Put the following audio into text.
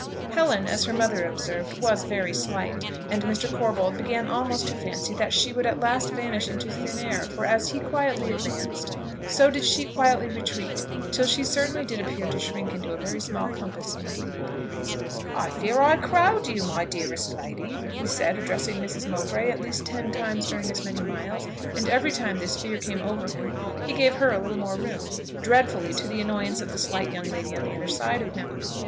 Helen, as her mother observed, was "very slight," and Mr. Corbold began almost to fancy that she would at last vanish into thin air, for, as he quietly advanced, so did she quietly retreat till she certainly did appear to shrink into a very small compass indeed. "I fear I crowd you, my dearest lady!" he said, addressing Mrs. Mowbray at least ten times during as many miles; and every time this fear came over him he gave her a little more room, dreadfully to the annoyance of the slight young lady on the other side of him.